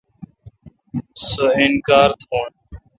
سو انکار تھون۔